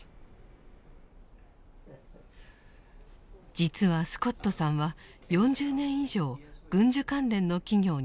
実はスコットさんは４０年以上軍需関連の企業に勤めていました。